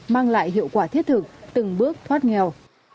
mang lại hiệu quả thiết thực từng bước thoát nghèo